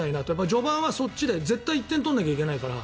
序盤はそっちで絶対１点取らないといけないから。